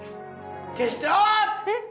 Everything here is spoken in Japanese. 決してあっ！